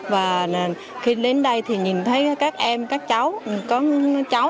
và khi đến đây thì nhìn thấy các em các cháu